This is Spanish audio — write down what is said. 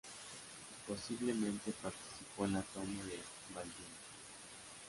Posiblemente participó en la toma de Valdivia.